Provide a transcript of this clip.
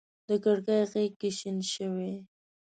د کړکۍ غیږ کي شین شوی